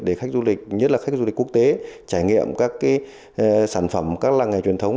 để khách du lịch nhất là khách du lịch quốc tế trải nghiệm các sản phẩm các làng nghề truyền thống